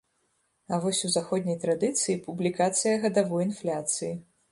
А вось у заходняй традыцыі публікацыя гадавой інфляцыі.